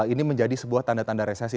ini menjadi sebuah tanda tanda resesi